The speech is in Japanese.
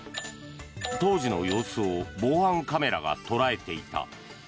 当時の様子を防犯カメラが捉えていた。